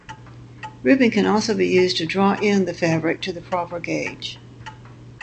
Ribbing can also be used to "draw in" the fabric to the proper gauge.